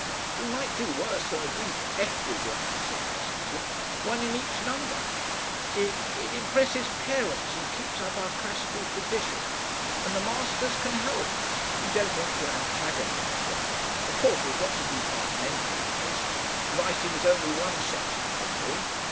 "We might do worse than a Greek epigram," said Cossington. "One in each number. It it impresses parents and keeps up our classical tradition. And the masters CAN help. We don't want to antagonise them. Of course we've got to departmentalise. Writing is only one section of the thing.